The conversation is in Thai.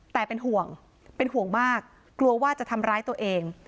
แต่เป็นห่วงเป็นห่วงมากกลัวว่าจะทำร้ายตัวเอง